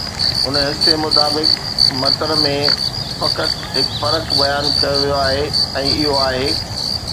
هن حصي مطابق متن ۾ فقط هڪ فرق بيان ڪيو ويو آهي ۽ اهو آهي